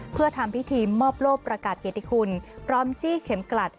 เพื่อทำพิธีมอบโลกประกาศเกติคุณพร้อมจี้เข็มกลัด